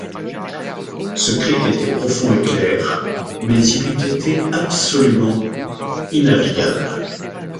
Ce creek était profond et clair, mais il eût été absolument innavigable.